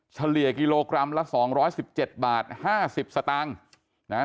เฉลี่ยกิโลกรัมละสองร้อยสิบเจ็ดบาทห้าสิบสตางค์นะฮะ